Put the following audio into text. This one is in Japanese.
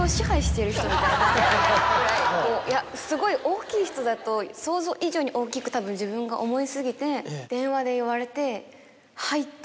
みたいなぐらいこうすごい大きい人だと想像以上に大きくたぶん自分が思い過ぎて電話で言われて。